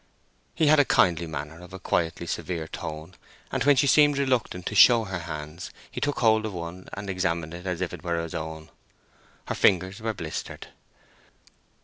He had a kindly manner of a quietly severe tone; and when she seemed reluctant to show her hands, he took hold of one and examined it as if it were his own. Her fingers were blistered.